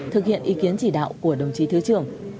thực hiện ý kiến chỉ đạo của đồng chí thứ trưởng